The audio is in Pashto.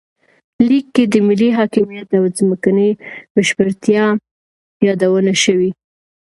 لیک کې د ملي حاکمیت او ځمکنۍ بشپړتیا یادونه شوې.